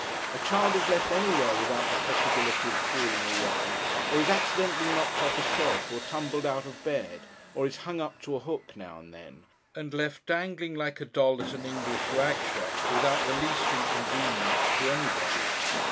A child is left anywhere without the possibility of crawling away, or is accidentally knocked off a shelf, or tumbled out of bed, or is hung up to a hook now and then, and left dangling like a doll at an English rag shop, without the least inconvenience to anybody.